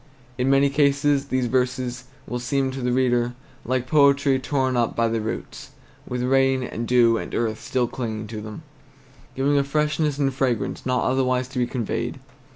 In many cases these verses will seem to the reader like poetry torn up by the roots, with rain and dew and earth still clinging to them, giving a freshness and a fragrance not otherwise to be conveyed.